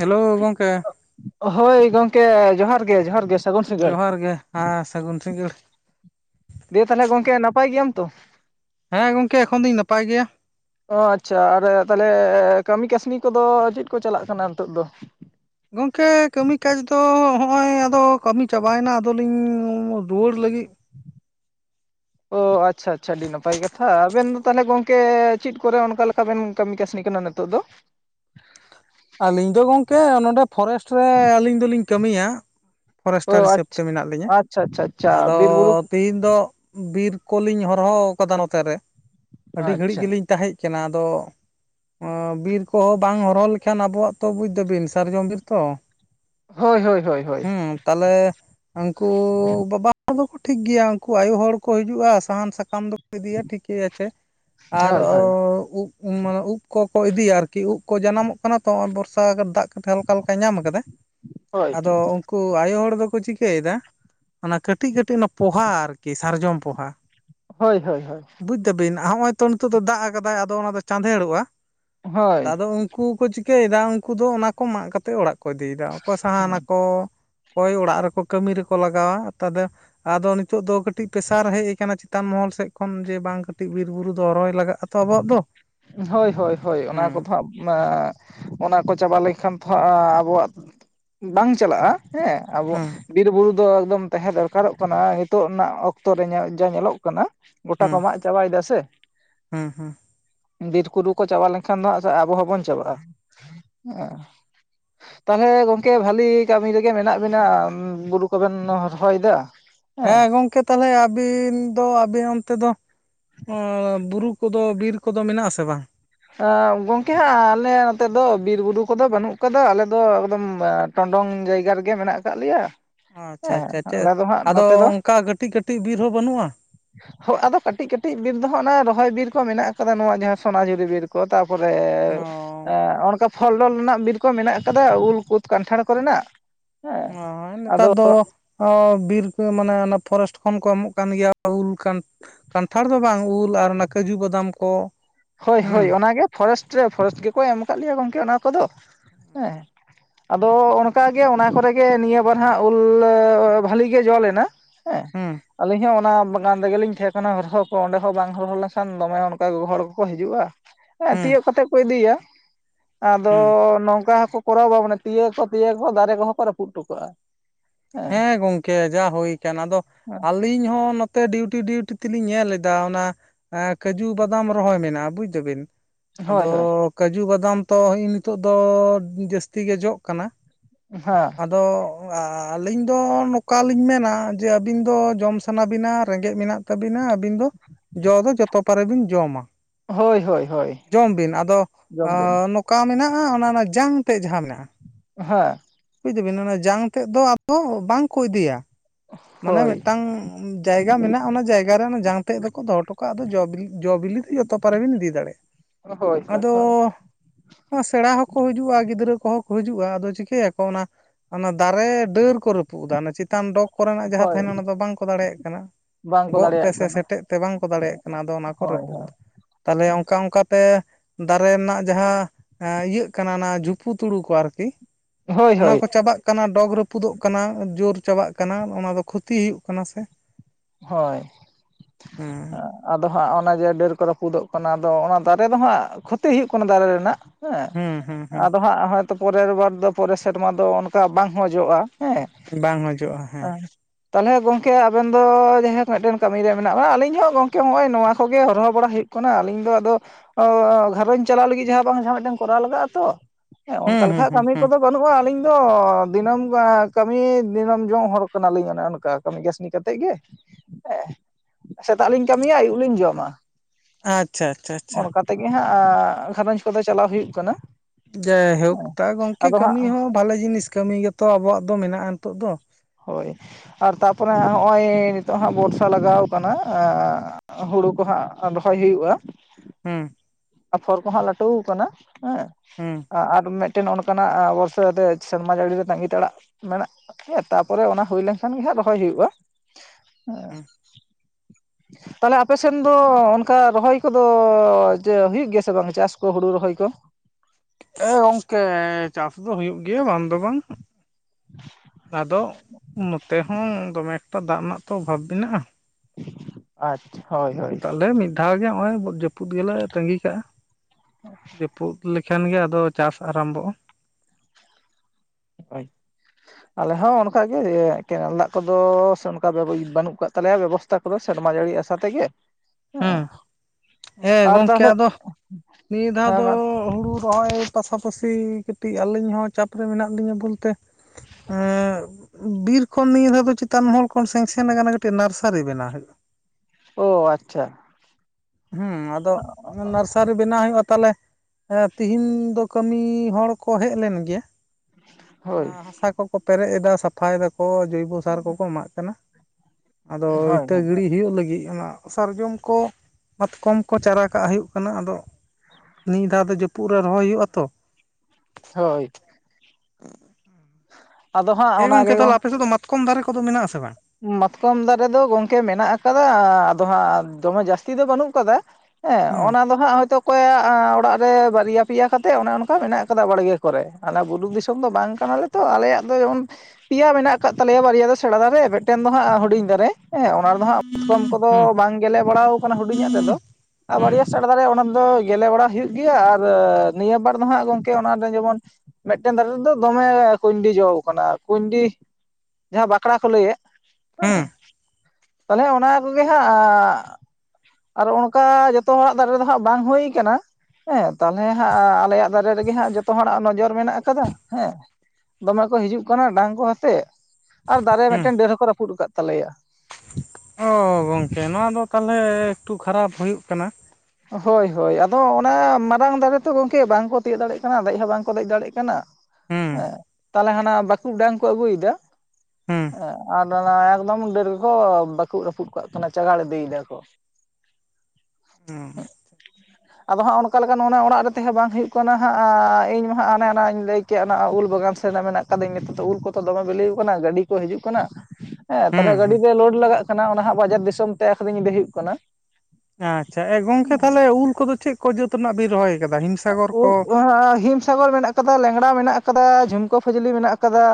Hello ᱜᱚᱢᱠᱮ? ᱦᱳᱭ ᱜᱚᱢᱠᱮ ᱡᱚᱦᱟᱨ ᱜᱮ ᱡᱚᱦᱟᱨ ᱜᱮ᱾ ᱥᱟᱹᱜᱩᱱ ᱥᱤᱸᱜᱟᱹᱲ ᱡᱚᱦᱟᱨ ᱜᱮ ᱦᱮᱸ ᱥᱟᱹᱜᱩᱱ ᱥᱤᱸᱜᱟᱹᱲ᱾ ᱫᱤᱭᱮ ᱛᱟᱦᱚᱞᱮ ᱜᱚᱝᱠᱮ ᱱᱟᱯᱟᱭ ᱜᱮᱭᱟᱢ ᱛᱚ? ᱦᱮᱸ ᱜᱚᱝᱠᱮ ᱮᱠᱷᱚᱱ ᱫᱚᱩᱧ ᱱᱟᱯᱟᱭ ᱜᱮᱭᱟ᱾ ᱚ ᱟᱪᱪᱷᱟ ᱟᱨ ᱛᱟᱦᱚᱞᱮ ᱠᱟᱹᱢᱤ ᱠᱟᱹᱥᱱᱤ ᱠᱚᱫᱚ ᱪᱮᱫ ᱠᱚ ᱪᱟᱞᱟᱜ ᱠᱟᱱᱟ ᱱᱤᱛᱚᱜ ᱫᱚ? ᱜᱚᱢᱠᱮ ᱠᱟᱹᱢᱤ ᱠᱟᱡᱽ ᱫᱚ ᱦᱚᱜᱼᱚᱭ ᱟᱫᱚ ᱠᱟᱹᱢᱤ ᱪᱟᱵᱟᱭᱮᱱᱟ ᱟᱫᱚᱞᱤᱧ ᱨᱩᱣᱟᱹᱲ ᱞᱟᱹᱜᱤᱫ, ᱚ ᱟᱪᱪᱷᱟ ᱟᱪᱪᱷᱟ ᱟᱹᱰᱤ ᱱᱟᱯᱟᱭ ᱠᱟᱛᱷᱟ ᱟᱵᱮᱱ ᱫᱚ ᱛᱟᱦᱚᱞᱮ ᱜᱚᱝᱠᱮ ᱪᱮᱫ ᱠᱚᱨᱮ ᱚᱱᱠᱟ ᱞᱮᱠᱟ ᱵᱮᱱ ᱠᱟᱹᱢᱤ ᱠᱟᱹᱥᱱᱤ ᱠᱟᱱᱟ. ᱱᱤ ᱛᱚᱜ ᱫᱚ? ᱟᱹᱞᱤᱧ ᱫᱚ ᱜᱚᱢᱠᱮ ᱱᱚᱸᱰᱮ ᱯᱷᱚᱨᱮᱥᱴ ᱨᱮ ᱟᱹᱞᱤᱧ ᱫᱚᱞᱤᱧ ᱠᱟᱹᱢᱤᱭᱟ᱾ ᱚ ᱯᱷᱚᱨᱮᱥᱴᱟᱨ ᱦᱤᱥᱟᱹᱵ ᱛᱮ ᱟᱪᱪᱷᱟ ᱢᱮᱱᱟᱜ ᱞᱤᱧᱟᱹ, ᱟᱪᱪᱷᱟ ᱟᱪᱪᱷᱟ ᱟᱪᱪᱷᱟ ᱟᱫᱚ ᱵᱤᱨ ᱵᱩᱨᱩ ᱛᱤᱦᱤᱮᱧ ᱫᱚ ᱵᱤᱨ ᱠᱚᱞᱤᱧ ᱦᱚᱨᱦᱚ ᱟᱠᱟᱫᱟ ᱱᱚᱛᱮ ᱨᱮ ᱟᱹᱰᱤ ᱜᱷᱟᱹᱲᱤᱡ ᱟᱪᱪᱷᱟ ᱜᱮᱞᱤᱧ ᱛᱟᱦᱮᱸᱼᱼ ᱠᱟᱱᱟ ᱟᱫᱚ ᱵᱤᱨ ᱠᱚᱦᱚᱸ ᱵᱟᱝ ᱦᱚᱨᱦᱚᱼᱼ ᱮᱱᱠᱷᱟᱱ ᱟᱵᱚᱣᱟᱜ ᱛᱚ ᱵᱩᱡ ᱫᱟᱵᱤᱱ ᱥᱟᱨᱡᱚᱢ ᱵᱤᱨ ᱛᱚ, ᱦᱳᱭ ᱦᱳᱭ ᱦᱳᱭ ᱦᱳᱭ ᱦᱩᱸ ᱛᱟᱦᱚᱞᱮ ᱩᱱᱠᱩ ᱵᱟᱵᱟ ᱫᱚᱠᱚ ᱴᱷᱤᱠ ᱜᱮᱭᱟ ᱩᱱᱠᱩ ᱟᱭᱳ ᱦᱚᱲ ᱠᱚ ᱦᱤᱡᱩᱜᱼᱟ ᱥᱟᱦᱟᱱ ᱥᱟᱠᱟᱢ ᱫᱚᱼᱼ ᱤᱫᱤᱭᱟ ᱴᱷᱤᱠᱮᱭ ᱟᱪᱷᱮ ᱟᱨ ᱦᱳᱭ ᱦᱳᱭ ᱩᱵᱼᱼ ᱢᱟᱱᱮ ᱩᱵ ᱠᱚᱠᱚ ᱤᱫᱤᱭᱟ ᱟᱨᱠᱤ ᱩᱵ ᱠᱚ ᱡᱟᱱᱟᱢᱚᱜ ᱠᱟᱱᱟ ᱛᱚᱜ ᱚᱭ ᱵᱚᱨᱥᱟ ᱫᱟᱜᱼᱼ ᱠᱟᱛᱷᱟ ᱦᱟᱞᱠᱟ ᱦᱟᱞᱠᱟᱭ ᱧᱟᱢ ᱠᱟᱫᱟ ᱦᱳᱭ ᱟᱫᱚ ᱩᱱᱠᱩ ᱟᱭᱳ ᱦᱚᱲ ᱫᱚᱠᱚ ᱪᱤᱠᱟᱹᱭᱮᱫᱟᱼᱼ ᱚᱱᱟ ᱠᱟᱹᱴᱤᱡ ᱠᱟᱹᱴᱤᱡ ᱚᱱᱟ ᱯᱚᱦᱟ ᱟᱨᱠᱤ ᱥᱟᱨᱡᱚᱢ ᱯᱚᱦᱟᱼ ᱦᱳᱭ ᱦᱳᱭ ᱦᱳᱭ ᱵᱩᱡ ᱫᱟᱵᱤᱱ ᱦᱚᱜᱼᱚᱭ ᱛᱚ ᱱᱤᱛᱚᱜ ᱫᱚ ᱫᱟᱜ ᱟᱠᱟᱫᱟᱭ ᱟᱫᱚ ᱚᱱᱟ ᱫᱚ ᱪᱟᱸᱫᱮᱲᱚᱜᱼᱟ ᱛ ᱦᱳᱭ ᱟᱫᱚ ᱩᱱᱠᱩᱼ ᱠᱚ ᱪᱤᱠᱟᱹᱭᱮᱫᱟ ᱩᱱᱠᱩ ᱫᱚ ᱚᱱᱟ ᱠᱚ ᱢᱟᱜ ᱠᱟᱛᱮᱮᱫ ᱚᱲᱟᱜ ᱠᱚ ᱤᱫᱤᱭᱮᱫᱟ ᱚᱠᱚᱭ ᱥᱟᱦᱟᱱ ᱟᱠᱠᱚ, ᱚᱠᱚᱭ ᱚᱲᱟᱜᱨᱮ ᱠᱚ ᱠᱟᱹᱢᱤ ᱨᱮᱠᱚ ᱞᱟᱜᱟᱣᱟ ᱟᱫᱚ ᱟᱫᱚ ᱱᱤᱛᱳᱜ ᱫᱚ ᱠᱟᱹᱴᱤᱡ ᱯᱮᱥᱟᱨ ᱦᱮᱡ ᱟᱠᱟᱱᱟ ᱪᱮᱛᱟᱱ ᱢᱚᱦᱚᱞ ᱥᱮᱫ ᱠᱷᱚᱱ ᱡᱮ ᱵᱟᱝ ᱠᱟᱹᱴᱤᱡ ᱵᱤᱨ ᱵᱩᱨᱩ ᱫᱚ ᱦᱚᱨᱚᱭ ᱞᱟᱜᱟᱜ ᱛᱚ ᱛᱚ ᱟᱵᱚᱣᱟᱜ ᱫᱚ ᱦᱳᱭ ᱦᱳᱭ ᱦᱳᱭ ᱚᱱᱟ ᱦᱩᱸ ᱠᱚᱫᱚ ᱦᱟᱸ ᱚᱱᱟ ᱠᱚ ᱪᱟᱵᱟ ᱞᱮᱱᱠᱷᱟᱱ ᱛ ᱟᱵᱚᱣᱟᱜ ᱵᱟᱝ ᱪᱟᱞᱟᱜᱼᱟ ᱦᱮᱸ ᱟᱵᱚ ᱦᱩᱸ ᱵᱤᱨ ᱵᱩᱨᱩ ᱫᱚ ᱮᱠᱫᱚᱢ ᱛᱟᱦᱮᱸ ᱫᱚᱨᱠᱟᱨᱚᱜ ᱠᱟᱱᱟ ᱱᱤᱛᱚᱜ ᱨᱮᱱᱟᱜ ᱚᱠᱛᱚ ᱨᱮ ᱡᱟ ᱧᱮᱞᱚᱜ ᱠᱟᱱᱟᱼ ᱜᱚᱴᱟ ᱠᱚ ᱦᱩᱸ ᱢᱟᱜ ᱪᱟᱵᱟᱭᱮᱫᱟ ᱥᱮ ᱦᱩᱸ ᱦᱩᱸ ᱵᱤᱨ-ᱵᱩᱨᱩ ᱠᱚ ᱪᱟᱵᱟ ᱞᱮᱱᱠᱷᱟᱱ ᱫᱚ ᱦᱟᱜ ᱥᱮ ᱟᱵᱚ ᱦᱚᱸᱵᱚᱱ ᱪᱟᱵᱟᱜᱼᱟ ᱦᱮᱸ ᱛᱟᱦᱚᱞᱮ ᱜᱚᱝᱠᱮ ᱵᱷᱟᱞᱤ ᱠᱟᱹᱢᱤ ᱨᱮᱜᱮ ᱢᱮᱱᱟᱜ ᱵᱮᱱᱟ ᱵᱩᱨᱩ ᱠᱚᱵᱮᱱ ᱨᱦᱚᱭᱮᱫᱟ᱾ ᱦᱮᱸ ᱜᱚᱢᱠᱮ ᱛᱟᱦᱚᱞᱮ ᱟᱹᱵᱤᱱ ᱫᱚ ᱟᱹᱵᱤᱱ ᱚᱱᱛᱮ ᱫᱚ ᱵᱩᱨᱩ ᱠᱚᱫᱚ ᱵᱤᱨ ᱠᱚᱫᱚ ᱢᱮᱱᱟᱜ ᱟᱥᱮ ᱵᱟᱝ? ᱜᱚᱢᱠᱮ ᱦᱟᱸᱜ ᱟᱞᱮ ᱱᱚᱛᱮ ᱫᱚ ᱵᱤᱨ ᱵᱩᱨᱩ ᱠᱚᱫᱚ ᱵᱟᱹᱱᱩᱜ ᱠᱟᱫᱟ ᱟᱞᱮ ᱫᱚ ᱮᱠᱫᱚᱢᱼ ᱴᱚᱸᱰᱚᱝ ᱡᱟᱭᱜᱟ ᱨᱮᱜᱮ ᱢᱮᱱᱟᱜ ᱠᱟᱜ ᱞᱮᱭᱟ᱾ ᱚ ᱟᱪᱪᱷᱟ ᱦᱮᱸ ᱟᱪᱪᱷᱟ ᱟᱞᱮ ᱪᱮᱫ ᱫᱚ ᱦᱟᱸᱜ ᱟᱫᱚ ᱱᱚᱛᱮ ᱫᱚ ᱚᱱᱠᱟ ᱠᱟᱹᱴᱤᱡ ᱠᱟᱹᱴᱤᱡ ᱵᱤᱨ ᱦᱚᱸ ᱵᱟᱹᱱᱩᱜᱼᱟ? ᱦᱳ ᱟᱫᱚ ᱠᱟᱹᱴᱤᱡ ᱠᱟᱹᱴᱤᱡ ᱵᱤᱨ ᱫᱚᱦᱟᱸᱜ ᱚᱱᱟ ᱨᱚᱦᱚᱭ ᱵᱤᱨ ᱠᱚ ᱢᱮᱱᱟᱜ ᱠᱟᱫᱟ ᱱᱚᱣᱟ ᱡᱟᱦᱟᱸ ᱥᱳᱱᱟᱡᱷᱩᱨᱤ ᱵᱤᱨ᱾ ᱠᱚ ᱛᱟᱯᱚᱨᱮ ᱚ ᱚᱱᱠᱟ ᱯᱷᱚᱞ ᱯᱷᱚᱞ ᱨᱮᱱᱟᱜ ᱵᱤᱨ ᱠᱚ ᱢᱮᱱᱟᱜ ᱟᱠᱟᱫᱟ ᱩᱞ ᱠᱩᱫ ᱠᱟᱱᱴᱷᱟᱲ ᱠᱚᱨᱮᱱᱟᱜ᱾ ᱦᱮᱸ ᱱᱚᱭ ᱱᱮᱛᱟᱨ ᱟᱫᱚ ᱫᱚ ᱚ ᱵᱤᱨᱠ ᱢᱟᱱᱮ ᱚᱱᱟ ᱯᱷᱚᱨᱮᱥᱴ ᱠᱷᱚᱱ ᱠᱚ ᱮᱢᱚᱜ ᱠᱟᱱ ᱜᱮᱭᱟ ᱩᱞ ᱠᱟᱱ ᱠᱟᱱᱴᱷᱟᱲ ᱫᱚ ᱵᱟᱝ ᱩᱞ ᱟᱨ ᱚᱱᱟ ᱠᱟᱹᱡᱩ ᱵᱟᱫᱟᱢ ᱠᱚ᱾ ᱦᱳᱭ ᱦᱳᱭ ᱦᱩᱸ ᱚᱱᱟᱜᱮ ᱯᱷᱚᱨᱮᱥᱴ ᱨᱮ ᱯᱷᱚᱨᱮᱥᱴ ᱜᱮᱠᱚ ᱮᱢ ᱟᱠᱟᱫ ᱞᱮᱭᱟ ᱜᱚᱝᱠᱮ ᱚᱱᱟ ᱠᱚᱫᱚ ᱦᱮᱸ᱾ ᱟᱫᱚ ᱚᱱᱠᱟ ᱜᱮ ᱚᱱᱟ ᱠᱚᱨᱮ ᱜᱮ ᱱᱤᱭᱟᱹ ᱵᱟᱨ ᱦᱟᱸᱜ ᱩᱞ ᱵᱷᱟᱹᱞᱤ ᱜᱮ ᱡᱚ ᱞᱮᱱᱟ᱾ ᱦᱮᱸ, ᱦᱩᱸ ᱟᱹᱞᱤᱧ ᱦᱚᱸ ᱚᱱᱟ ᱟᱱ ᱨᱮᱜᱮᱞᱤᱧ ᱛᱟᱦᱮᱸ ᱠᱟᱱᱟ ᱦᱚᱨᱦᱚ ᱠᱚ ᱚᱸᱰᱮ ᱦᱚᱸ ᱵᱟᱝ ᱦᱚᱨᱦᱚ ᱞᱮᱱᱠᱷᱟᱱ ᱫᱚᱢᱮ ᱚᱱᱠᱟ ᱜᱚᱜᱚ ᱦᱚᱲ ᱠᱚᱠᱚ ᱦᱤᱡᱩᱜᱼᱟ᱾ ᱦᱮ ᱦᱩᱸ ᱛᱤᱭᱳᱜ ᱠᱟᱛᱮᱫ ᱠᱚ ᱤᱫᱤᱭᱟ ᱟᱫᱚ ᱦᱩᱸ ᱱᱚᱝᱠᱟ ᱠᱚ ᱠᱚᱨᱟᱣ ᱵᱟ ᱢᱟᱱᱮ ᱛᱤᱭᱳᱜ ᱠᱚ ᱛᱤᱭᱳᱜ ᱦᱚ ᱫᱟᱨᱮ ᱠᱚᱦᱚᱸ ᱠᱚ ᱨᱟᱹᱯᱩᱜ ᱴᱩᱠᱟᱜᱼᱟ᱾ ᱦᱮᱸ ᱜᱚᱝᱠᱮ ᱡᱟ ᱦᱩᱭ ᱠᱟᱱ ᱟᱫᱚ ᱟᱹᱞᱤᱧ ᱦᱚᱸ ᱱᱚᱛ ᱛᱮ ᱰᱤᱣᱴᱤ ᱰᱤᱣᱴᱤ ᱛᱤᱞᱤᱧ ᱧᱮᱞ ᱫᱟ ᱚᱱᱟ ᱠᱟᱹᱡᱩ ᱵᱟᱫᱟᱢ ᱨᱚᱦᱚᱭ ᱢᱮᱱᱟᱜᱼᱟ ᱵᱩᱡ ᱫᱟᱹᱵᱤᱱ᱾ ᱦᱳᱭ ᱟᱫᱚ ᱦᱳᱭ ᱠᱟᱹᱡᱩ ᱵᱟᱫᱟᱢ ᱛᱚ ᱤᱱ ᱱᱤᱛᱚᱜ ᱫᱚ ᱡᱟᱹᱥᱛᱤ ᱜᱮ ᱡᱚᱜ ᱠᱟᱱᱟ᱾ [unintelligible] ᱟᱫᱚ ᱟᱹᱞᱤᱧ ᱫᱚ ᱱᱚᱠᱟ ᱞᱤᱧ ᱢᱮᱱᱟ ᱡᱮ ᱟᱹᱵᱤᱱ ᱫᱚ ᱡᱚᱢ ᱥᱟᱱᱟ ᱵᱤᱱᱟ ᱨᱮᱸᱜᱮᱡ ᱢᱮᱱᱟᱜ ᱛᱟᱹᱵᱤᱱᱟ ᱟᱹᱵᱤᱱ ᱫᱚ ᱡᱚ ᱫᱚ ᱡᱚᱛᱚ ᱯᱟᱨᱮ ᱵᱤᱱ ᱡᱚᱢᱟ᱾ ᱦᱳᱭ ᱦᱳᱭ ᱦᱳᱭ᱾ ᱡᱚᱢ ᱵᱤᱱ ᱟᱫᱚ ᱡᱚᱢ ᱵᱤᱱ ᱱᱚᱠᱟ ᱢᱮᱱᱟᱜᱼᱟ ᱚᱱᱟ ᱚᱱᱟ ᱡᱟᱝ ᱛᱮᱫ ᱡᱟᱦᱟᱸ ᱢᱮᱱᱟᱜᱼᱟ᱾ ᱦᱳᱭ ᱾ ᱵᱩᱡᱽ ᱮᱫᱟᱹᱵᱤᱱ ᱚᱱᱟ ᱡᱟᱝ ᱛᱮᱫ ᱫᱚ ᱟᱫᱚ ᱵᱟᱝ ᱠᱚ ᱤᱫᱤᱭᱟ᱾ ᱢᱟᱱᱮ ᱦᱳᱭ ᱢᱤᱫᱴᱟᱝ ᱡᱟᱭᱜᱟ ᱢᱮᱱᱟᱜ ᱚᱱᱟ ᱡᱟᱭᱜᱟ ᱨᱮ ᱚᱱᱟ ᱡᱟᱝ ᱛᱮᱫ ᱫᱚ ᱠᱚ ᱫᱚᱦᱚ ᱦᱚᱴᱚ ᱠᱟᱜᱼᱟ ᱟᱫᱚ ᱡᱚ ᱵᱤᱞᱤ ᱡᱚ ᱵᱤᱞᱤ ᱫᱚ ᱡᱚᱛ ᱚ ᱯᱟᱨᱮ ᱵᱤᱱ ᱤᱫᱤ ᱫᱟᱲᱮᱜ᱾ ᱦᱳᱭ ᱦᱳᱭ ᱦᱳᱭ᱾ ᱦᱚᱸ ᱥᱮᱬᱟ ᱦᱚᱸᱠᱚ ᱦᱤᱡᱩᱜᱼᱟ ᱜᱤᱫᱽᱨᱟᱹ ᱠᱚᱦᱚᱸ ᱠᱚ ᱦᱟᱹᱡᱩᱜᱼᱟ ᱟᱫᱚ ᱪᱤᱠᱟᱹᱭᱟᱠᱚ ᱚᱱᱟ ᱚᱱᱟ ᱫᱟᱨᱮ ᱰᱟᱹᱨ ᱠᱚ ᱨᱟᱹᱯᱩᱫ ᱮᱫᱟ ᱚᱱᱟ ᱪᱮᱛᱟᱱ ᱰᱚᱜ ᱠᱚᱨᱮᱱᱟᱜ ᱡᱟᱦᱟᱸ ᱦᱳᱭ ᱛᱟᱦᱮᱸᱱᱟ ᱚᱱᱟ ᱫᱚ ᱵᱟᱝ ᱠᱚ ᱫᱟᱲᱮᱭᱟᱜ ᱠᱟᱱᱟ᱾ ᱵᱟᱝᱠᱚ ᱜᱚᱜ ᱫᱟᱲᱮᱭᱟᱜ ᱛᱮ ᱥᱮ ᱠᱟᱱᱟ ᱥᱮᱴᱮᱫ ᱛᱮ ᱵᱟᱝ ᱠᱚ ᱫᱟᱲᱮᱭᱟᱜ ᱠᱟᱱᱟ ᱟᱫᱚ ᱚᱱᱟ ᱠᱚ ᱦᱳᱭ ᱨᱟᱹᱯᱩᱫ ᱦᱳᱭ ᱮᱫᱟ᱾ ᱛᱟᱦᱚᱞᱮ ᱚᱝᱠᱟ ᱚᱝᱠᱟ ᱛᱮ ᱫᱟᱨᱮ ᱨᱮᱱᱟᱜ ᱡᱟᱦᱟᱸ ᱮᱸ ᱤᱭᱟᱹᱜ ᱠᱟᱱᱟ ᱚᱱᱟ ᱡᱷᱩᱯᱩ ᱛᱩᱲᱩ ᱠᱚ ᱟᱨᱠᱤ ᱦᱳᱭ ᱚᱱᱟ ᱦᱳᱭ ᱠᱚ ᱪᱟᱵᱟᱜ ᱠᱟᱱᱟ ᱰᱚᱜ ᱨᱟᱹᱯᱩᱫᱚᱜ ᱠᱟᱱᱟ ᱡᱳᱨ ᱪᱟᱵᱟᱜ ᱠᱟᱱᱟ ᱚᱱᱟ ᱫᱚ ᱠᱷᱚᱛᱤ ᱦᱩᱭᱩᱜ ᱠᱟᱱᱟ ᱥᱮ᱾ ᱦᱳᱭ, ᱦᱮᱸ ᱟᱸ᱾ ᱟᱫᱚ ᱦᱟᱸᱜ ᱚᱱᱮ ᱡᱮ ᱰᱟᱹᱨ ᱠᱚ ᱨᱟᱹᱯᱩᱫᱚᱜ ᱠᱟᱱᱟ ᱟᱫᱚ ᱚᱱᱟ ᱫᱟᱨᱮ ᱫᱚ ᱦᱟᱸᱜ ᱠᱷᱚᱛᱤ ᱦᱩᱭᱩᱜ ᱠᱟᱱᱟ ᱫᱟᱨᱮ ᱨᱮᱱᱟᱜ᱾ ᱦᱮᱸ, ᱦᱩᱸ ᱦᱩᱸ ᱦᱩᱸ ᱟᱫᱚ ᱦᱟᱸᱜ ᱦᱚᱭᱛᱚ ᱯᱚᱨᱮᱨ ᱵᱟᱨ ᱫᱚ ᱯᱚᱨᱮᱨ ᱥᱮᱨᱢᱟ ᱫᱚ ᱚᱱᱠᱟ ᱵᱟᱝ ᱦᱚᱸ ᱡᱚᱜᱼᱟ᱾ ᱦᱮᱸ, ᱵᱟᱝ ᱦᱚᱡᱚᱜᱼᱟ ᱦᱮᱸ ᱛᱟᱦᱚᱞᱮ ᱜᱚᱝᱠᱮ ᱟᱵᱮᱱ ᱫᱚ ᱡᱟᱭᱦᱳᱠ ᱢᱤᱫᱴᱮᱱ ᱠᱟᱹᱢᱤ ᱨᱮ ᱢᱮᱱᱟᱜ ᱢᱟ ᱟᱹᱞᱤᱧ ᱦᱚᱸ ᱜᱚᱝᱠᱮ ᱦᱚᱸᱜᱼᱚᱭ ᱱᱚᱣᱟ ᱠᱚᱜᱮ ᱦᱚᱨᱦᱚ ᱵᱟᱲᱟ ᱦᱩᱭᱩᱜ ᱠᱟᱱᱟ ᱟᱹᱞᱤᱧ ᱫᱚ ᱟᱫᱚ ᱜᱷᱟᱸᱨᱚᱧᱡᱽ ᱪᱟᱞᱟᱣ ᱞᱟᱹᱜᱤᱫ ᱡᱟᱦᱟᱸ ᱵᱟᱝ ᱡᱟᱦᱟᱸ ᱢᱤᱫᱴᱮᱱ ᱠᱚᱨᱟᱣ ᱞᱟᱜᱟᱜᱼᱟ ᱛᱚ ᱚᱱᱠᱟ ᱦᱩᱸ ᱦᱩᱸ ᱞᱮᱠᱷᱟ ᱦᱩᱸ ᱠᱟᱹᱢᱤ ᱦᱩᱸ ᱠᱚᱫᱚ ᱵᱟᱹᱱᱩᱜᱼᱟ ᱟᱹᱞᱤᱧ ᱫᱚ ᱫᱤᱱᱟᱹᱢ ᱠᱟᱹᱢᱤ ᱫᱤᱱᱟᱹᱢ ᱡᱚᱢ ᱦᱚᱲ ᱠᱟᱱᱟᱞᱤᱧ ᱚᱱᱮ ᱚᱱᱠᱟ ᱠᱟᱹᱢᱤ ᱠᱟᱹᱥᱱᱤ ᱠᱟᱛᱮᱜ ᱜᱮ ᱮᱸ ᱥᱮᱛᱟᱜ ᱞᱤᱧ ᱠᱟᱹᱢᱤᱭᱟ ᱟᱹᱭᱩᱵ ᱞᱤᱧ ᱡᱚᱢᱟ᱾ ᱟᱪᱪᱷᱟ ᱟᱪᱪᱷᱟ ᱟᱪᱪᱷᱟ᱾ ᱚᱱᱠᱟ ᱛᱮᱜᱮ ᱦᱟᱸᱜ ᱜᱷᱟᱸᱨᱚᱧᱡᱽ ᱠᱚᱫᱚ ᱪᱟᱞᱟᱣ ᱦᱩᱭᱩᱜ ᱠᱟᱱᱟ᱾ ᱡᱟᱭᱦᱳᱠ ᱦᱮᱸ ᱛᱟ ᱜᱚᱝᱠᱮ ᱟᱫᱚ ᱠᱟᱹᱢᱤ ᱦᱟᱸᱜ ᱦᱚᱸ ᱵᱷᱟᱞᱮ ᱡᱤᱱᱤᱥ ᱠᱟᱹᱢᱤ ᱜᱮᱛᱚ ᱟᱵᱚᱣᱟᱜ ᱫᱚ ᱢᱮᱱᱟᱜᱼᱟ ᱱᱤᱛᱚᱜ ᱫᱚ᱾ ᱦᱳᱭ, ᱟᱨ ᱛᱟᱯᱚᱨᱮ ᱦᱟᱸᱜ ᱦᱚᱸᱚᱭ ᱱᱤᱛᱚᱜ ᱦᱟᱸᱜ ᱵᱚᱨᱥᱟ ᱞᱟᱜᱟᱣ ᱟᱠᱟᱱᱟ ᱮᱸ ᱦᱩᱲᱩ ᱠᱚ ᱦᱟᱸᱜ ᱨᱚᱦᱚᱭ ᱦᱩᱭᱩᱜᱼᱟ᱾ ᱦᱩᱸ᱾ ᱟᱯᱷᱚᱨ ᱠᱚ ᱦᱟᱸᱜ ᱞᱟᱹᱴᱩᱣ ᱟᱠᱟᱱᱟ ᱦᱮᱸ᱾ ᱦᱩᱸ ᱾ ᱟᱨ ᱢᱤᱫᱴᱮᱱ ᱚᱱᱠᱟᱱᱟᱜ ᱵᱚᱨᱥᱟ ᱨᱮ ᱥᱮᱨᱢᱟ ᱡᱟᱹᱲᱤ ᱨᱮ ᱛᱟᱹᱜᱤ ᱛᱟᱲᱟᱜ ᱢᱮᱱᱟᱜ ᱦᱮᱸ, ᱛᱟᱯᱚᱨᱮ ᱚᱱᱟ ᱦᱩᱭ ᱞᱮᱱᱠᱷᱟᱱ ᱜᱮ ᱦᱟᱸᱜ ᱨᱚᱦᱚᱭ ᱦᱩᱭᱩᱜᱼᱟ ᱾ ᱦᱮᱸ, ᱦᱩᱸ ᱛᱟᱦᱚᱞᱮ ᱟᱯᱮ ᱥᱮᱱ ᱫᱚ ᱚᱱᱠᱟ ᱨᱚᱦᱚᱭ ᱠᱚᱫᱚ ᱡᱮ ᱦᱩᱭᱩᱜ ᱜᱮᱭᱟ ᱥᱮ ᱵᱟᱝ ᱪᱟᱥ ᱠᱚ ᱦᱩᱲᱩ ᱨᱚᱦᱚᱭ ᱠᱚ? ᱮ ᱜᱚᱝᱠᱮ, ᱪᱟᱥ ᱫᱚ ᱦᱩᱭᱩᱜ ᱜᱮᱭᱟ ᱵᱟᱝ ᱫᱚ ᱵᱟᱝ ᱾ ᱟᱫᱚ ᱱᱚᱛᱮ ᱦᱚᱸ ᱫᱚᱢᱮ ᱮᱠᱴᱟ ᱫᱟᱜ ᱨᱮᱱᱟᱜ ᱛᱚ ᱚᱵᱷᱟᱵᱽ ᱢᱮᱱᱟᱜᱼᱟ ᱾ ᱟᱪᱪᱷᱟ ᱾ ᱦᱳᱭ ᱦᱳᱭ ᱾ ᱛᱟᱦᱚᱞᱮ ᱢᱤᱫ ᱫᱷᱟᱹᱣ ᱜᱮ ᱱᱚᱜᱼᱚᱭ ᱡᱟᱹᱯᱩᱫ ᱜᱮᱞᱮ ᱛᱟᱺᱜᱤ ᱠᱟᱜᱼᱟ ᱾ [unintelligible] ᱡᱟᱹᱯᱩᱫ ᱞᱮᱠᱷᱟᱱ ᱜᱮ ᱟᱫᱚ ᱪᱟᱥ ᱟᱨᱟᱢᱵᱚᱜᱼᱟ ᱾ ᱦᱳᱭ ᱾ ᱟᱞᱮ ᱦᱚᱸ ᱚᱱᱠᱟ ᱜᱮ ᱠᱮᱱᱮᱞ ᱫᱟᱜ ᱠᱚᱫᱚ ᱥᱮ ᱚᱱᱠᱟ ᱵᱟᱹᱱᱩᱜ ᱟᱠᱟᱫ ᱛᱟᱞᱮᱭᱟ ᱵᱮᱵᱚᱥ ᱛᱟ ᱠᱚᱫᱚ ᱥᱮᱨᱢᱟ ᱡᱟᱹᱲᱤ ᱟᱥᱟ ᱛᱮᱜᱮ᱾ ᱦᱮᱸ, ᱮ ᱟᱨ ᱜᱚᱝᱠᱮ ᱛᱟᱦᱚᱞᱮ ᱟᱫᱚ ᱱᱤᱭᱟᱹ ᱫᱷᱟᱹᱣ ᱦᱮᱸ ᱫᱚ ᱢᱟ ᱦᱩᱲᱩ ᱨᱚᱦᱚᱭ ᱯᱟᱥᱟᱯᱟᱹᱥᱤ ᱠᱟᱹᱴᱤᱡ ᱟᱹᱞᱤᱧ ᱦᱚᱸ ᱪᱟᱯ ᱨᱮ ᱢᱮᱱᱟᱜ ᱞᱤᱧᱟ ᱵᱚᱞᱛᱮ, ᱩᱸ ᱾ ᱵᱤᱨ ᱠᱷᱚᱱ ᱱᱤᱭᱟᱹ ᱫᱷᱟᱣ ᱫᱚ ᱪᱮᱛᱟᱱ ᱢᱚᱦᱚᱞ ᱠᱷᱚᱱ ᱥᱮᱱᱥᱮᱱ ᱟᱠᱟᱱᱟ ᱠᱟᱹᱴᱤᱡ ᱱᱟᱨᱥᱟᱨᱤ ᱵᱮᱱᱟᱣ ᱦᱩᱭᱩᱜ ᱚ ᱟᱪᱪᱷᱟ ᱾ ᱦᱮᱸ, ᱟᱫᱚ ᱱᱟᱨᱥᱟᱨᱤ ᱵᱮᱱᱟᱣ ᱦᱩᱭᱩᱜᱼᱟ, ᱛᱟᱦᱚᱞᱮ ᱮ ᱛᱤᱦᱮᱧ ᱫᱚ ᱠᱟᱹᱢᱤ ᱦᱚᱲ ᱠᱚ ᱦᱮᱡ ᱞᱮᱱ ᱜᱮᱭᱟ ᱾ ᱦᱳᱭ ᱚᱱᱟ ᱦᱟᱥᱟ ᱠᱚᱠᱚ ᱯᱮᱨᱮᱡ ᱮᱫᱟ ᱥᱟᱯᱷᱟᱭ ᱮᱫᱟᱠᱚ ᱡᱳᱭ ᱥᱟᱨ ᱠᱚᱠᱚ ᱮᱢᱟᱜ ᱠᱟᱱᱟ, ᱟᱫᱚ ᱦᱳᱭ ᱤᱛᱟᱹ ᱜᱤᱲᱤ ᱦᱩᱭᱩᱜ ᱞᱟᱹᱜᱤ ᱚᱱᱟ ᱥᱟᱨᱡᱚᱢ ᱠᱚ ᱢᱟᱛᱠᱚᱢ ᱠᱚ ᱪᱟᱨᱟ ᱠᱟᱜ ᱦᱩᱭᱩᱜ ᱠᱟᱱᱟ, ᱟᱫᱚ ᱱᱤᱭᱟᱹ ᱫᱷᱟᱹᱣ ᱫᱚ ᱡᱟᱹᱯᱩᱫ ᱨᱮ ᱨᱚᱦᱚᱭ ᱦᱩᱭᱩᱜᱼᱟ ᱛᱚ ᱦᱳᱭ ᱾ ᱟᱫᱚ ᱦᱟᱸᱜ ᱮ ᱚᱱᱟᱜᱮ ᱜᱚᱢᱠᱮ ᱜᱚᱝᱠᱮ ᱛᱟᱦᱚᱞᱮ ᱟᱯᱮ ᱥᱮᱫ ᱫᱚ ᱢᱟᱛᱠᱚᱢ ᱫᱟᱨᱮ ᱠᱚᱫᱚ ᱢᱮᱱᱟᱜᱼᱟ ᱥᱮ ᱵᱟᱝ? ᱢᱟᱛᱠᱚᱢ ᱫᱟᱨᱮ ᱫᱚ ᱜᱚᱢᱠᱮ ᱢᱮᱱᱟᱜ ᱟᱠᱟᱫᱟ, ᱟᱫᱚ ᱦᱟᱸᱜ ᱫᱚᱢᱮ ᱡᱟᱹᱥᱛᱤ ᱫᱚ ᱵᱟᱹᱱᱩᱜ ᱟᱠᱟᱫᱟ ᱾ ᱦᱮᱸ, ᱦᱩᱸ ᱚᱱᱟ ᱫᱚ ᱦᱟᱸᱜ ᱦᱚᱭᱛᱳ ᱚᱠᱚᱭᱟᱜ ᱚᱲᱟᱜ ᱨᱮ ᱵᱟᱨᱭᱟ ᱯᱮᱭᱟ ᱠᱟᱛᱮ ᱚᱱᱮ ᱚᱱᱠᱟ ᱢᱮᱱᱟᱜ ᱟᱠᱟᱫᱟ ᱵᱟᱲᱜᱮ ᱠᱚᱨᱮ ᱾ ᱟᱞᱮ ᱵᱩᱨᱩ ᱫᱤᱥᱚᱢ ᱫᱚ ᱵᱟᱝ ᱠᱟᱱᱟᱞᱮ ᱾ ᱛᱚ ᱟᱞᱮᱭᱟᱜ ᱫᱚ ᱡᱮᱢᱚᱱ ᱯᱮᱭᱟ ᱢᱮᱱᱟᱜ ᱟᱠᱟᱫ ᱛᱟᱞᱮᱭᱟ, ᱵᱟᱨᱭᱟ ᱫᱚ ᱥᱮᱬᱟ ᱫᱟᱨᱮ ᱢᱤᱫ ᱢᱤᱫᱴᱮᱱ ᱫᱚ ᱦᱟᱸᱜ ᱦᱩᱰᱤᱧ ᱫᱟᱨᱮ ᱦᱮᱸ ᱚᱱᱟ ᱫᱚ ᱦᱟᱸᱜ ᱢᱟᱛᱠᱚᱢ ᱦᱩᱸ ᱠᱚᱫᱚ ᱵᱟᱝ ᱜᱮᱞᱮ ᱵᱟᱲᱟᱣ ᱠᱟᱱᱟ ᱦᱩᱰᱤᱧ ᱟᱜ ᱨᱮᱫᱚ ᱾ ᱟᱨ ᱦᱩᱸ ᱵᱟᱨᱭᱟ ᱥᱮᱬᱟ ᱫᱟᱨᱮ ᱚᱱᱟ ᱫᱚ ᱜᱮᱞᱮ ᱵᱟᱲᱟ ᱦᱩᱭᱩᱜ ᱜᱮᱭᱟ ᱟᱨ ᱱᱤᱭᱟᱹ ᱵᱟᱨ ᱫᱚ ᱦᱟᱸᱜ ᱜᱚᱝᱠᱮ ᱚᱱᱟ ᱫᱚ ᱡᱮᱢᱚᱱ, ᱢᱤᱫᱴᱮᱱ ᱫᱟᱨᱮ ᱨᱮᱫᱚ ᱫᱚᱢᱮ ᱠᱩᱭᱰᱤ ᱡᱚ ᱟᱠᱟᱱᱟ ᱠᱩᱭᱰᱤ ᱡᱟᱦᱟᱸ ᱵᱟᱠᱲᱟ ᱠᱚ ᱞᱟᱹᱭᱮᱫ ᱾ ᱦᱩᱸ ᱦᱮᱸ, ᱛᱟᱦᱚᱞᱮ ᱚᱱᱟ ᱠᱚᱜᱮ ᱦᱟᱸᱜ ᱟᱨ ᱚᱱᱠᱟ ᱡᱚᱛᱚ ᱦᱚᱲᱟᱜ ᱫᱟᱨᱮ ᱫᱚ ᱦᱟᱸᱜ ᱵᱟᱝ ᱦᱳᱭ ᱠᱟᱱᱟ ᱾ ᱦᱮᱸ, ᱛᱟᱦᱚᱞᱮ ᱦᱟᱸᱜ ᱟᱞᱮᱭᱟᱜ ᱫᱟᱨᱮ ᱨᱮᱜᱮ ᱦᱟᱸᱜ ᱡᱚᱛᱚ ᱦᱚᱲᱟᱜ ᱱᱚᱡᱚᱨ ᱢᱮᱱᱟᱜ ᱠᱟᱫᱟ ᱦᱮᱸ ᱾ ᱫᱚᱢᱮ ᱠᱚ ᱦᱤᱡᱩᱜ ᱠᱟᱱᱟ ᱰᱟᱝ ᱠᱚ ᱟᱛᱮ ᱟᱨ ᱫᱟᱨᱮ ᱦᱩᱸ ᱢᱤᱫᱴᱮᱱ ᱰᱟᱹᱨ ᱦᱚᱸᱠᱚ ᱨᱟᱹᱯᱩᱫ ᱟᱠᱟᱫ ᱛᱟᱞᱮᱭᱟ ᱾ ᱚ, ᱜᱚᱝᱠᱮ ᱱᱚᱣᱟ ᱫᱚ ᱛᱟᱦᱚᱞᱮ ᱮᱠᱴᱩ ᱠᱷᱟᱨᱟᱯ ᱦᱩᱭᱩᱜ ᱠᱟᱱᱟ ᱾ ᱦᱳᱭ ᱦᱳᱭ ᱟᱫᱚ ᱚᱱᱟ ᱢᱟᱨᱟᱝ ᱫᱟᱨᱮ ᱛᱚ ᱜᱚᱝᱠᱮ ᱵᱟᱝᱠᱚ ᱛᱤᱭᱳᱜ ᱫᱟᱲᱭᱟᱜ ᱠᱟᱱᱟ ᱫᱮᱡ ᱦᱚᱸ ᱵᱟᱝᱠᱚ ᱫᱮᱡ ᱫᱟᱲᱭᱟᱜ ᱠᱟᱱᱟ ᱾ ᱦᱩᱸ ᱦᱮᱸ, ᱛᱟᱦᱚᱞᱮ ᱦᱟᱱᱟ ᱵᱟᱸᱠᱩ ᱰᱟᱝ ᱠᱚ ᱟᱹᱜᱩᱭᱮᱫᱟ ᱾ ᱦᱩᱸ ᱦᱮᱸ, ᱟᱨ ᱚᱱᱟ ᱮᱠᱫᱚᱢ ᱰᱟᱹᱨ ᱠᱚ ᱨᱟᱹᱯᱩᱫ ᱠᱟᱜ ᱠᱟᱱᱟ, ᱪᱟᱜᱟᱲ ᱤᱫᱤᱭᱮᱫᱟ ᱠᱚ ᱾ ᱦᱩᱸ [unintelligible] ᱟᱫᱚ ᱦᱟᱸᱜ ᱚᱱᱠᱟ ᱞᱮᱠᱟᱱ ᱚᱲᱟᱜ ᱨᱮ ᱛᱮᱦᱚᱸ ᱵᱟᱝ ᱦᱩᱭᱩᱜ ᱠᱟᱱᱟ ᱦᱟᱸᱜ ᱤᱧ ᱢᱟ ᱦᱟᱸᱜ ᱚᱱᱮ ᱚᱱᱟᱧ ᱞᱟᱹᱭ ᱠᱮᱫ ᱾ ᱪᱮᱫ ᱚᱱᱟ ᱩᱞ ᱵᱟᱜᱟᱱ ᱥᱮᱱ ᱢᱮᱱᱟᱜ ᱠᱟᱫᱤᱧ ᱾ ᱱᱤᱛᱚᱜ ᱫᱚ ᱩᱞ ᱠᱚᱫᱚ ᱫᱚᱢᱮ ᱵᱤᱞᱤᱣ ᱠᱟᱱᱟ ᱜᱟᱹᱰᱤ ᱠᱚ ᱦᱤᱡᱩᱜ ᱠᱟᱱᱟ ᱾ ᱦᱮᱸ, ᱛᱟᱦᱚᱞᱮ ᱦᱩᱸ ᱦᱩᱸ ᱜᱟᱹᱰᱤ ᱨᱮ ᱞᱳᱰ ᱞᱟᱜᱟᱜ ᱠᱟᱱᱟ ᱚᱱᱟ ᱦᱟᱹᱜ ᱵᱟᱡᱟᱨ ᱫᱤᱥᱚᱢ ᱛᱮ ᱟᱠᱷᱨᱤᱧ ᱤᱫᱤ ᱦᱩᱭᱩᱜ ᱠᱟᱱᱟ ᱾ ᱟᱪᱪᱷᱟ, ᱮ ᱜᱚᱝᱠᱮ ᱛᱟᱦᱚᱞᱮ ᱩᱞ ᱠᱚᱫᱚ ᱪᱮᱫ ᱠᱚ ᱡᱟᱹᱛ ᱨᱮᱱᱟᱜ ᱵᱤᱱ ᱨᱚᱦᱚᱭ ᱟᱠᱟᱫᱟ ᱦᱤᱢᱥᱟᱜᱚᱨ ᱩᱞ ᱠᱚ ᱫᱚ ᱦᱟᱸᱜ ᱦᱤᱢᱥᱟᱜᱚᱨ ᱢᱮᱱᱟᱜ ᱠᱟᱫᱟ, ᱞᱮᱝᱲᱟ ᱢᱮᱱᱟᱜ ᱠᱟᱫᱟ, ᱡᱷᱩᱢᱠᱟᱹ ᱯᱷᱟᱹᱡᱽᱞᱤ ᱢᱮᱱᱟᱜ ᱠᱟᱫᱟ,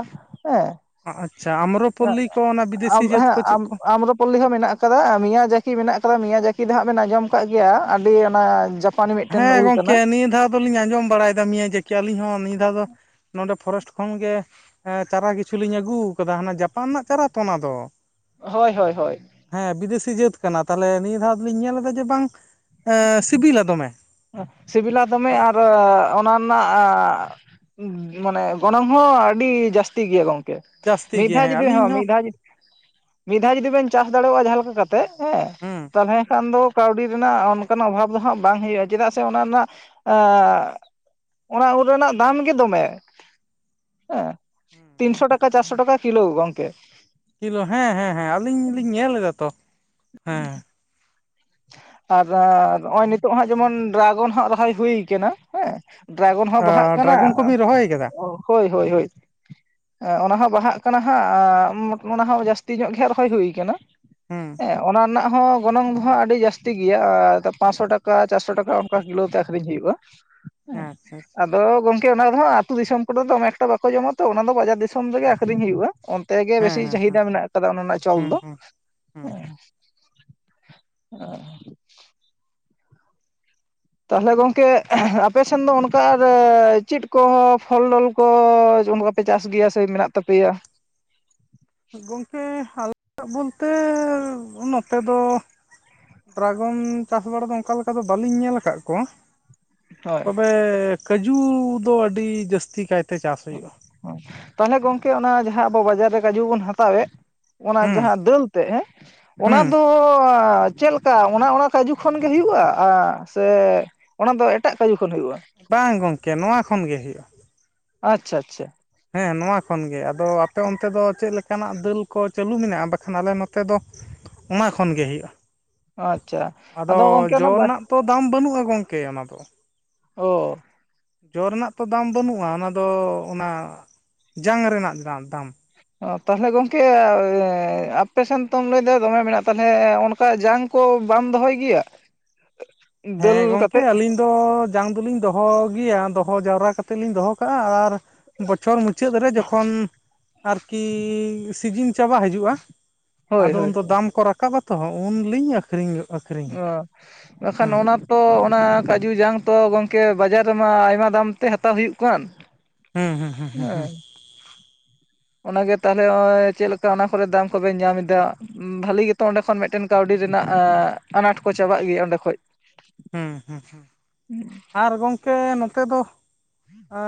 ᱦᱮᱸ ᱟᱪᱪᱷᱟ ᱟᱢᱨᱚᱯᱚᱞᱞᱤ ᱠᱚ ᱚᱱᱟ ᱚ ᱵᱤᱫᱮᱥᱤ ᱡᱟᱹᱛ ᱦᱮᱸ ᱠᱚ ᱪᱮᱫ ᱠᱚ ᱟᱢᱨᱚ ᱯᱚᱞᱞᱤ ᱦᱚᱸ ᱢᱮᱱᱟᱜ-ᱟ, ᱠᱟᱫᱟ ᱢᱤᱭᱟ ᱡᱟᱹᱠᱤ ᱢᱮᱱᱟᱜ ᱟᱠᱟᱫᱟ ᱢᱮᱭᱟ ᱡᱟᱹᱠᱤ ᱫᱚ ᱦᱟᱸᱜ ᱵᱮᱱ ᱟᱸᱡᱚᱢ ᱠᱟᱜ ᱜᱮᱭᱟ ᱟᱹᱰᱤ ᱚᱱᱟ ᱡᱚ ᱚᱱᱮ ᱢᱤᱫᱴᱮᱱ ᱦᱮᱸ ᱩᱞ ᱠᱟᱱᱟ ᱜᱚᱝᱠᱮ ᱱᱤᱭᱟᱹ ᱫᱷᱟᱣ ᱫᱚᱞᱤᱧ ᱟᱸᱡᱚᱢ ᱵᱟᱲᱟᱭ ᱫᱟ ᱢᱤᱭᱟ ᱡᱟᱹᱠᱤ ᱟᱹᱞᱤᱧ ᱦᱚᱸ ᱱᱤᱭᱟᱹ ᱫᱷᱟᱣ ᱫᱚ ᱱᱚᱰᱮ ᱯᱷᱚᱨᱮᱥᱴ ᱠᱷᱚᱱ ᱜᱮ ᱪᱟᱨᱟ ᱠᱤᱪᱷᱩ ᱞᱤᱧ ᱟᱹᱜᱩᱣ ᱠᱟᱫᱟ ᱦᱟᱱᱟ ᱡᱟᱯᱟᱱ ᱱᱟᱜ ᱪᱟᱨᱟ ᱛᱚ ᱚᱱᱟ ᱫᱚ ᱦᱳᱭ ᱦᱳᱭ ᱦᱳᱭ ᱦᱮᱸ ᱵᱤᱫᱮᱥᱤ ᱡᱟᱹᱛ ᱠᱟᱱᱟ ᱛᱟᱦᱞᱮ ᱱᱤᱭᱟᱹ ᱫᱷᱟᱣ ᱫᱚᱞᱤᱧ ᱧᱮᱞ ᱫᱟ ᱡᱮ ᱵᱟᱝ ᱥᱤᱵᱤᱞᱟ ᱫᱚᱢᱮ, ᱥᱤᱵᱤᱞᱟ ᱫᱚᱢᱮ ᱟᱨ ᱚᱱᱟ ᱱᱟᱜ ᱢᱟᱱᱮ ᱜᱚᱱᱚᱝ ᱦᱚᱸ ᱟᱹᱰᱤ ᱡᱟᱹᱥᱛᱤ ᱜᱮᱭᱟ ᱜᱚᱝᱠᱮ ᱡᱟᱹᱥᱛᱤ ᱢᱤᱜ ᱜᱮ ᱫᱷᱟᱣ ᱦᱮᱸ ᱡᱩᱫᱤ ᱦᱚᱸ ᱟᱹᱞᱤᱧ ᱢᱤᱜ ᱫᱷᱟᱣ ᱡᱩᱫᱤ ᱢᱤᱫ ᱫᱷᱟᱣ ᱡᱩᱫᱤ ᱵᱮᱱ ᱪᱟᱥ ᱫᱟᱲᱮᱭᱳᱜᱼᱟ ᱡᱟᱦᱟᱸ ᱞᱮᱠᱟ ᱠᱟᱛᱮᱜ ᱦᱮᱸ ᱦᱩᱸ ᱛᱟᱦᱚᱸᱞᱮ ᱠᱷᱟᱱ ᱫᱚ ᱠᱟᱹᱣᱰᱤ ᱨᱮᱱᱟᱜ ᱚᱱᱠᱟᱱ ᱚᱵᱷᱟᱵᱽ ᱫᱚ ᱦᱟᱸᱜ ᱵᱟᱝ ᱦᱩᱭᱩᱜᱼᱟ᱾ ᱪᱮᱫᱟᱜ ᱥᱮ ᱚᱱᱟ ᱱᱟᱜ ᱚᱱᱟ ᱩᱞ ᱨᱮᱱᱟᱜ ᱫᱟᱢ ᱜᱮ ᱫᱚᱢᱮ ᱾ ᱦᱮᱸ ᱛᱤᱱᱥᱚ ᱴᱟᱠᱟ ᱪᱟᱨᱥᱚ ᱴᱟᱠᱟ ᱠᱤᱞᱳ ᱜᱚᱝᱠᱮ᱾ ᱠᱤᱞᱳ ᱦᱮᱸ ᱦᱮᱸ ᱦᱮᱸ ᱟᱞᱤᱧ ᱞᱤᱧ ᱧᱮᱞ ᱮᱫᱟ ᱛᱚ ᱦᱮᱸ ᱟᱨ ᱱᱚᱜᱼᱚᱭ ᱱᱤᱛᱚᱜ ᱦᱟᱸᱜ ᱡᱮᱢᱚᱱ ᱰᱨᱟᱜᱚᱱ ᱦᱟᱸᱜ ᱨᱚᱦᱚᱭ ᱦᱩᱭ ᱠᱟᱱᱟ ᱦᱮᱸ ᱰᱨᱟᱜᱚᱱ ᱦᱚᱸ ᱵᱟᱦᱟᱜ ᱠᱟᱱᱟ ᱰᱨᱟᱜᱚᱱ ᱠᱚᱵᱤᱱ ᱨᱚᱦᱚᱭ ᱟᱠᱟᱫᱟ ᱦᱳᱭ ᱦᱳᱭ ᱦᱳᱭ ᱚᱱᱟ ᱦᱚᱸ ᱵᱟᱦᱟᱜ ᱠᱟᱱᱟ ᱦᱟᱸᱜ ᱚᱱᱟ ᱦᱚᱸ ᱡᱟᱹᱥᱛᱤ ᱧᱚᱜ ᱜᱮ ᱦᱟᱸᱜ ᱨᱚᱦᱚᱭ ᱦᱩᱭ ᱠᱟᱱᱟ ᱦᱩᱸ ᱦᱮᱸ ᱚᱱᱟ ᱨᱮᱱᱟᱜ ᱦᱚᱸ ᱜᱚᱱᱚᱝ ᱫᱚ ᱦᱟᱸᱜ ᱟᱹᱰᱤ ᱟᱹᱰᱤ ᱡᱟᱹᱥᱛᱤ ᱜᱮᱭᱟ ᱟᱨ ᱯᱟᱸᱥᱥᱚ ᱴᱟᱠᱟ ᱪᱟᱨᱥᱚ ᱴᱟᱠᱟ ᱚᱝᱠᱟ ᱠᱤᱞᱳ ᱛᱮ ᱟᱠᱷᱨᱤᱧ ᱦᱩᱭᱩᱜᱼᱟ᱾ ᱦᱮ ᱟᱪᱪᱷᱟ ᱟᱪᱪᱷᱟ ᱟᱫᱚ ᱜᱚᱝ ᱠᱮ ᱚᱱᱟ ᱨᱮᱫᱚ ᱦᱟᱸᱜ ᱟᱹᱛᱩ ᱫᱤᱥᱚᱢ ᱠᱚ ᱫᱚ ᱫᱚᱢᱮ ᱮᱠᱴᱟ ᱵᱟᱠᱚ ᱡᱚᱢᱟ ᱛᱚ ᱚᱱᱟ ᱫᱚ ᱵᱟᱡᱟᱨ ᱫᱤᱥᱚᱢ ᱨᱮᱜᱮ ᱟᱠᱠᱷᱨᱤᱧ ᱦᱩᱭᱩᱜᱼᱟ, ᱚᱱ ᱛᱮᱜᱮ ᱦᱮᱸ ᱵᱮᱥᱤ ᱦᱮᱸ ᱦᱮᱸ ᱪᱟᱦᱤᱫᱟ ᱢᱮᱱᱟᱜ ᱠᱟᱫᱟ ᱚᱱᱟ ᱱᱟᱜ ᱪᱚᱞ ᱦᱮᱸ ᱫᱚ ᱦᱮᱸ ᱦᱮᱸ [inaudible] ᱛᱟᱦᱚᱞᱮ ᱜᱚᱝᱠᱮ ᱟᱯᱮ ᱥᱮᱱ ᱫᱚ ᱚᱱᱠᱟ ᱟᱨ ᱪᱤᱫ ᱠᱚᱸ ᱯᱷᱚᱞ ᱴᱚᱞ ᱠᱚ ᱡᱚᱢ ᱠᱟ ᱯᱮ ᱪᱟᱥ ᱜᱮᱭᱟ ᱥᱮ ᱢᱮᱱᱟᱜ ᱛᱟᱯᱮᱭᱟ᱾ ᱜᱚᱝᱠᱮ ᱟᱞᱮᱭᱟᱜ ᱵᱚᱞᱛᱮ ᱱᱚᱛᱮ ᱫᱚ ᱰᱨᱟᱜᱚᱱ ᱪᱟᱥ ᱵᱟᱲᱟ ᱫᱚ ᱚᱱᱠᱟ ᱞᱮᱠᱟ ᱫᱚ ᱵᱟᱹᱞᱤᱧ ᱧᱮᱞ ᱠᱟᱜ ᱠᱚᱣᱟ᱾ ᱦᱳᱭ ᱛᱚᱵᱮ ᱠᱟᱹᱡᱩ ᱫᱚ ᱟᱹᱰᱤ ᱡᱟᱹᱥᱛᱤ ᱠᱟᱭᱛᱮ ᱪᱟᱥ ᱦᱩᱭᱩᱜ-ᱟ᱾ ᱚᱦ ᱛᱟᱦᱚᱞᱮ ᱜᱚᱝᱠᱮ ᱚᱱᱟ ᱡᱟᱦᱟᱸ ᱟᱵᱚ ᱵᱟᱡᱟᱨ ᱨᱮ ᱠᱟᱹᱡᱩ ᱵᱚᱱ ᱦᱟᱛᱟᱣᱭᱮᱜ ᱚᱱᱟ ᱦᱩᱸ ᱡᱟᱦᱟᱸ ᱫᱟᱹᱞ ᱛᱮᱜ ᱦᱮᱸ ᱚᱱᱟ ᱦᱩᱸ ᱫᱚ ᱪᱮᱜ ᱠᱟ ᱚᱱᱟ ᱚᱱᱟ ᱠᱟᱹᱡᱩ ᱠᱷᱚᱱ ᱜᱮ ᱦᱩᱭᱩᱜ-ᱟ᱾ ᱥᱮ ᱚᱱᱟ ᱫᱚ ᱮᱴᱟᱜ ᱠᱟᱹᱡᱩ ᱠᱷᱚᱱ ᱦᱩᱭᱩᱜ-ᱟ᱾ ᱵᱟᱝ ᱜᱚᱢᱠᱮ ᱱᱚᱣᱟ ᱠᱷᱚᱱ ᱜᱮ ᱦᱩᱭᱩᱜ-ᱟ᱾ ᱟᱪᱪᱷᱟ ᱟᱪᱪᱷᱟ᱾ ᱦᱮᱸ ᱱᱚᱣᱟ ᱠᱷᱚᱱᱜᱮ ᱟᱫᱚ ᱟᱯᱮ ᱚᱱᱛᱮ ᱫᱚ ᱪᱮᱜ ᱞᱮᱠᱟᱱᱟᱜ ᱰᱟᱹᱞ ᱠᱚ ᱪᱟᱹᱞᱩ ᱢᱮᱱᱟᱜ-ᱟ᱾ ᱵᱟᱠᱷᱟᱱ ᱟᱞᱮ ᱱᱚᱛᱮ ᱫᱚ ᱚᱱᱟ ᱠᱷᱚᱱᱜᱮ ᱦᱩᱭᱩᱜ-ᱟ᱾ ᱟᱪᱪᱷᱟ ᱟᱫᱚ ᱜᱚᱝᱠᱮ ᱡᱚ ᱚᱱᱟ ᱵᱟᱭ ᱮᱱᱟᱜ ᱛᱚ ᱫᱟᱢ ᱵᱟᱹᱱᱩᱜ-ᱟ᱾ ᱜᱚᱝᱠᱮ ᱚᱱᱟ ᱫᱚ᱾ ᱚ ᱡᱚ ᱨᱮᱱᱟᱜ ᱛᱚ ᱫᱟᱢ ᱵᱟᱹᱱᱩᱜ-ᱟ᱾ ᱚᱱᱟ ᱫᱚ ᱚᱱᱟ ᱡᱟᱝ ᱨᱮᱱᱟᱜ ᱫᱟᱢ᱾ ᱛᱟᱞᱦᱮ ᱜᱚᱝᱠᱮ ᱟᱯᱮ ᱥᱮᱱ ᱛᱚᱢ ᱞᱟᱹᱭᱫᱟ ᱫᱚᱢᱮ ᱢᱮᱱᱟᱜ ᱛᱟᱞᱦᱮ ᱚᱝᱠᱟ ᱡᱟᱝ ᱠᱚ ᱵᱟᱢ ᱫᱚᱦᱚᱭ ᱜᱮᱭᱟ? ᱦᱮᱸ ᱫᱟᱹᱞ ᱜᱚᱝᱠᱮ ᱠᱟᱛᱮᱫ ᱟᱹᱞᱤᱧ ᱫᱚ ᱡᱟᱝ ᱫᱚᱞᱤᱧ ᱫᱚᱦᱚ ᱜᱮᱭᱟ ᱫᱚᱦᱚ ᱡᱟᱣᱨᱟ ᱠᱟᱛᱮᱜ ᱞᱤᱧ ᱫᱚᱦᱚ ᱠᱟᱜ-ᱟ᱾ ᱟᱨ ᱵᱚᱪᱷᱚᱨ ᱢᱩᱪᱟᱹᱫ ᱨᱮ ᱡᱚᱠᱷᱚᱱ ᱟᱨᱠᱤ ᱥᱤᱡᱤᱱ ᱪᱟᱵᱟ ᱦᱟᱡᱩᱜ-ᱟ ᱦᱳᱭ ᱾ᱟᱫᱚ ᱦᱳᱭ ᱩᱱᱫᱚ ᱫᱟᱢ ᱠᱚ ᱨᱟᱠᱟ ᱵᱟ ᱛᱚ ᱩᱱᱞᱤᱧ ᱟᱹᱠᱷᱨᱤᱧᱜᱚᱜ ᱟᱹᱠᱷᱨᱤᱧᱟ᱾ ᱚ ᱵᱟᱠᱷᱟᱱ ᱦᱮᱸ ᱚᱱᱟ ᱛᱚ ᱚᱱᱟ ᱠᱟᱡᱩ ᱡᱟᱝ ᱛᱚ ᱜᱚᱝᱠᱮ ᱵᱟᱡᱟᱨ ᱨᱮᱢᱟ ᱟᱭᱢᱟ ᱫᱟᱢ ᱛᱮ ᱦᱟᱛᱟ ᱦᱩᱭᱩᱜ ᱠᱟᱱ᱾ ᱦᱩᱸ ᱦᱩᱸ ᱦᱩᱸ ᱦᱩᱸ ᱦᱮᱸ ᱦᱩᱸ ᱚᱱᱟᱜᱮ ᱛᱟᱦᱚᱞᱮ ᱦᱚᱜ-ᱚᱭ ᱪᱮᱜ ᱞᱮᱠᱟ ᱚᱱᱟ ᱠᱚᱨᱮ ᱫᱟᱢ ᱠᱚᱵᱮᱱ ᱧᱟᱢ ᱮᱫᱟ ᱵᱷᱟᱞᱤ ᱜᱮᱛᱚ ᱚᱸᱰᱮ ᱠᱷᱚᱱ ᱢᱮᱫᱴᱮᱱ ᱠᱟᱹᱣᱰᱤ ᱨᱮᱱᱟᱜ ᱟᱱᱟᱴ ᱠᱚ ᱪᱟᱵᱟᱜ ᱜᱮᱭᱟ ᱚᱸᱰᱮ ᱠᱷᱚᱡ᱾ ᱦᱩᱸ ᱦᱩᱸ ᱦᱩᱸ ᱟᱨ ᱜᱚᱝᱠᱮ ᱱᱚᱛᱮ ᱫᱚ ᱟᱹᱻ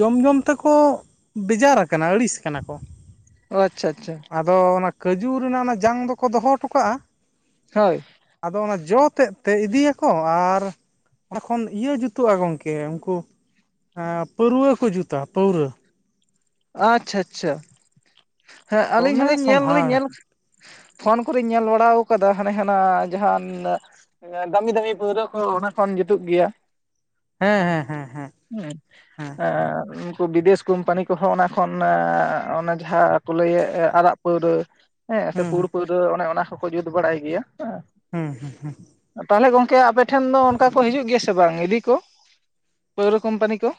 ᱡᱚᱢ ᱡᱚᱢ ᱛᱮᱠᱚ ᱵᱮᱡᱟᱨ ᱟᱠᱟᱱᱟ ᱟᱹᱲᱤᱥ ᱠᱟᱱᱟ ᱠᱚ᱾ ᱚ ᱟᱪᱪᱷᱟ ᱟᱪᱪᱷᱟ ᱟᱫᱚ ᱚᱱᱟ ᱠᱟᱹᱡᱩ ᱨᱮᱱᱟᱜ ᱚᱱᱟ ᱡᱟᱝ ᱫᱚᱠᱚ ᱫᱚᱦᱚ ᱦᱚᱴᱚ ᱠᱟᱜ-ᱟ᱾ ᱦᱳᱭ ᱟᱫᱚ ᱚᱱᱟ ᱡᱚ ᱛᱮᱫ ᱛᱮ ᱤᱫᱤᱭᱟᱠᱚ ᱟᱨ ᱚᱱᱟ ᱠᱷᱚᱱ ᱤᱭᱟᱹ ᱡᱩᱛᱩᱜ-ᱟ ᱜᱚᱝᱠᱮ ᱩᱱᱠᱩ ᱯᱟᱹᱣᱨᱟᱹ ᱠᱚ ᱡᱩᱛᱟ ᱯᱟᱹᱣᱨᱟᱹ᱾ ᱟᱪᱪᱷᱟ ᱟᱪᱪᱷᱟ ᱦᱮᱸ ᱟᱹᱞᱤᱧ ᱦᱚ ᱫᱚᱢᱮ ᱞᱤᱧ ᱧᱮᱞ ᱫᱩᱞᱤᱧ ᱥᱚᱸᱫᱷᱟᱲ ᱧᱮᱞ ᱯᱷᱳᱱ ᱠᱚᱨᱮᱧ ᱧᱮᱞ ᱵᱟᱲᱟ ᱟᱠᱟᱫᱟ ᱦᱟᱱᱮ ᱦᱟᱱᱟ ᱡᱟᱦᱟᱱ ᱫᱟᱹᱢᱤ ᱫᱟᱹᱢᱤ ᱯᱟᱹᱣᱨᱟᱹ ᱠᱚ ᱚᱱᱟ ᱠᱷᱚᱱ ᱡᱩᱛᱩᱜ ᱜᱮᱭᱟ᱾ ᱦᱮᱸ ᱦᱮᱸ ᱦᱮᱸ᱾ ᱦᱮᱸ ᱦᱮᱸ ᱩᱱᱠᱩ ᱵᱤᱫᱮᱥ ᱠᱚᱢᱯᱟᱱᱤ ᱠᱚᱦᱚᱸ ᱚᱱᱟ ᱠᱷᱚᱱ ᱚᱱᱮ ᱡᱟᱦᱟᱸ ᱠᱚ ᱞᱟᱹᱭᱮᱫ ᱟᱨᱟᱜ ᱯᱟᱹᱣᱨᱟᱹ ᱦᱮᱸ ᱥᱮ ᱦᱩᱸ ᱯᱩᱲ ᱦᱩᱸ ᱯᱟᱹᱣᱨᱟᱹ [unintelligible] ᱚᱱᱮ ᱚᱱᱟ ᱦᱚᱠᱚ ᱡᱩᱛ ᱵᱟᱲᱟᱭ ᱜᱮᱭᱟ ᱦᱮᱸ᱾ ᱦᱩᱸ ᱦᱩᱸ ᱦᱩᱸ᱾ ᱛᱟᱦᱚᱞᱮ ᱜᱚᱝᱠᱮ ᱟᱯᱮ ᱴᱷᱮᱱ ᱫᱚ ᱚᱱᱠᱟ ᱠᱚ ᱦᱤᱡᱩᱜ ᱜᱮᱭᱟ ᱥᱮ ᱵᱟᱝ ᱤᱫᱤ ᱠᱚ ᱯᱟᱹᱣᱨᱟᱹ ᱠᱳᱢᱯᱟᱱᱤ ᱠᱚ?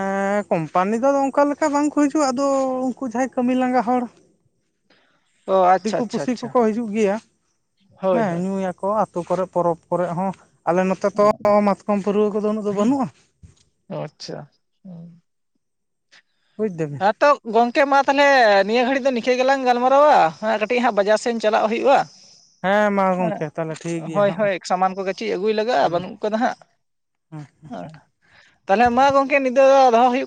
ᱮ ᱠᱚᱳᱢᱯᱟᱱᱤ ᱫᱚ ᱚᱱᱠᱟ ᱞᱮᱠᱟ ᱵᱟᱝ ᱠᱚ ᱦᱤᱡᱩᱜ-ᱟ ᱟᱫᱚ ᱩᱱᱠᱩ ᱡᱟᱦᱟᱸᱭ ᱠᱟᱹᱢᱤ ᱞᱟᱸᱜᱟ ᱦᱚᱲ ᱚ ᱟᱪᱪᱷᱟ ᱫᱤᱠᱩ ᱟᱪᱪᱷᱟ ᱯᱩᱥᱤ ᱟᱪᱪᱷᱟ ᱠᱚᱠᱚ ᱦᱤᱡᱩᱜ ᱜᱮᱭᱟ ᱦᱳᱭ ᱦᱮᱸ ᱦᱳᱭ ᱧᱩᱭ ᱟᱠᱚ ᱟᱹᱛᱩ ᱠᱚᱨᱮ ᱯᱚᱨᱚᱵᱽ ᱠᱚᱨᱮ ᱦᱚᱸ ᱟᱞᱮ ᱱᱚᱛᱮ ᱛᱚ ᱢᱟᱛᱠᱚᱢ ᱯᱟᱹᱨᱣᱟᱹ ᱠᱚᱫᱚ ᱩᱱᱟᱹᱜ ᱫᱚ ᱵᱟᱹᱱᱩᱜ-ᱟ᱾ ᱚ ᱟᱪᱪᱷᱟ ᱦᱩᱸ [unintelligible] ᱛᱚ ᱜᱚᱝᱠᱮ ᱢᱟ ᱛᱟᱦᱚᱞᱮ ᱱᱤᱭᱟᱹ ᱜᱷᱟᱹᱲᱤᱡ ᱫᱚ ᱱᱤᱝᱟᱹ ᱜᱮᱞᱟᱝ ᱜᱟᱞᱢᱟᱨᱟᱣᱟ ᱠᱟᱹᱴᱤᱡ ᱦᱟᱸᱜ ᱵᱟᱡᱟᱨ ᱥᱮᱫ ᱪᱟᱞᱟᱜ ᱦᱩᱭᱩᱜ-ᱟ᱾ ᱦᱮᱸ ᱢᱟ ᱦᱮᱸ ᱜᱚᱝᱠᱮ ᱛᱟᱦᱚᱞᱮ ᱴᱷᱤᱠ ᱜᱮᱭᱟ ᱦᱳᱭ ᱱᱟᱜ ᱢᱟ ᱦᱳᱭ ᱥᱟᱢᱟᱱ ᱠᱚ ᱜᱟᱪᱷᱤ ᱟᱹᱜᱩᱭ ᱞᱟᱜᱟᱜ-ᱟ ᱦᱩᱸ ᱦᱩᱸ ᱵᱟᱹᱱᱩᱜ ᱠᱟᱫᱟ ᱦᱟᱸᱜ ᱛᱟᱦᱚᱞᱮ ᱢᱟ ᱜᱚᱢᱠᱮ ᱱᱤᱛᱟᱹᱜ ᱫᱚ ᱫᱚᱦᱚ ᱦᱩᱭᱩᱜ ᱠᱟᱱᱟ᱾